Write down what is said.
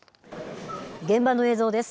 現場の映像です。